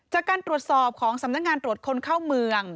จากการตรวจสอบของสำนักงานตรวจคนเข้าเมือง